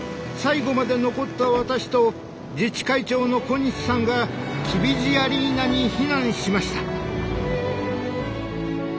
最後まで残った私と自治会長の小西さんがきびじアリーナに避難しました。